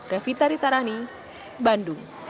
revita ritarani bandung